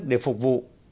để phục vụ